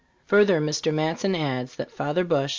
Further, Mr. Matson adds that Father Buche.